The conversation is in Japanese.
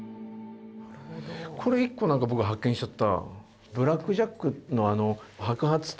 これ１個なんか僕発見しちゃった。